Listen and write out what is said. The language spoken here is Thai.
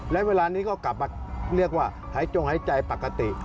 และเวลานี้ก็กลับมาเรียกว่าหายจงหายใจปกติ